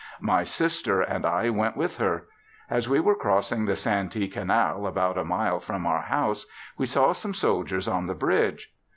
My sister and I went with her. As we were crossing the Santee canal about a mile from our house we saw some soldiers on the bridge.